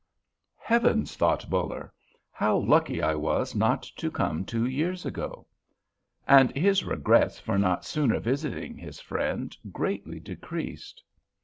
"Heavens!" thought Buller, "how lucky I was not to come two years ago!" And his regrets for not sooner visiting his friend greatly decreased.